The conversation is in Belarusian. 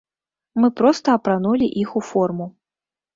Мы проста апранулі іх у форму.